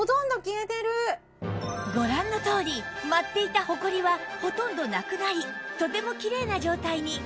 ご覧のとおり舞っていたホコリはほとんどなくなりとてもきれいな状態に